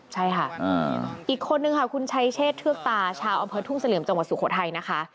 ใช่ค่ะอีกคนนึงค่ะคุณชัยเชษเทือกตาชาวอำเภอทุ่งเสลี่ยมจังหวัดสุโขทัยนะคะ